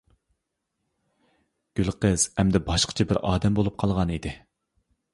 گۈلقىز ئەمدى باشقىچە بىر ئادەم بولۇپ قالغان ئىدى.